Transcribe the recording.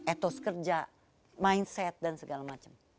etos kerja mindset dan segala macam